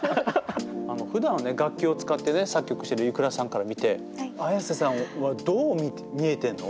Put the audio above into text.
ふだんは楽器を使ってね作曲してるｉｋｕｒａさんから見てＡｙａｓｅさんはどう見えてんの？